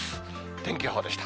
天気予報でした。